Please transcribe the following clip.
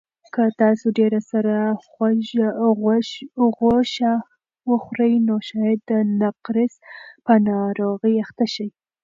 که تاسو ډېره سره غوښه وخورئ نو شاید د نقرس په ناروغۍ اخته شئ.